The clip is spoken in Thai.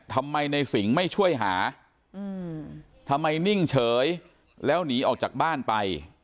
ทำไมในสิงห์ไม่ช่วยหาทำไมนิ่งเฉยแล้วหนีออกจากบ้านไป